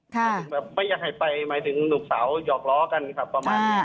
ค่ะแบบไม่อยากให้ไปหมายถึงหนุ่มสาวหยอกล้อกันครับประมาณนี้